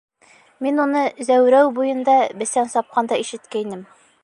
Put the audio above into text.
Мин уны Зәүрәү буйында бесән сапҡанда ишеткәйнем.